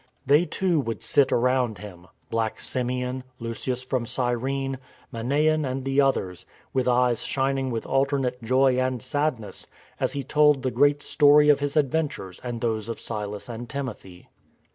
They too "LONE ON THE LAND" 241 would sit around him — Black Simeon, Lucius from Cyrene, Manaen and the others — with eyes shin ing with alternate joy and sadness as he told the great story of his adventures and those of Silas and Timothy.